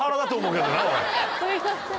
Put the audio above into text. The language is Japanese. すいません。